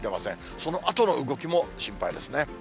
そのあとの動きも心配ですね。